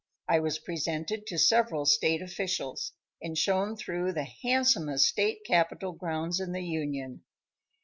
I was presented to several state officials, and shown through the handsomest state capitol grounds in the Union.